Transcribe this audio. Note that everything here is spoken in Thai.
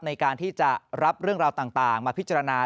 ในการที่จะรับเรื่องราวต่างมาพิจารณา